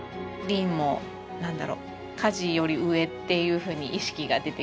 鈴も何だろうカジより上っていうふうに意識が出てきて。